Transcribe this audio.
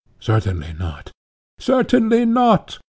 Certainly not. Certainly not!